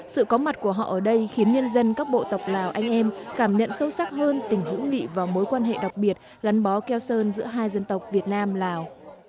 sự có mặt của họ ở đây khiến nhân dân các bộ tộc lào anh em cảm nhận sâu sắc hơn tình hữu nghị và mối quan hệ đặc biệt gắn bó keo sơn giữa hai dân tộc việt nam lào